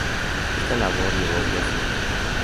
Esta labor llevó otros cinco años.